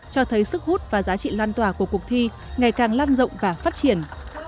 cho thấy sức hút và giá trị lan tỏa của cuộc thi ngày càng lan rộng và phát triển